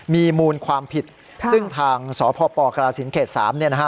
มีมูลความผิดซึ่งทางสพปกรสินเขต๓เนี่ยนะฮะ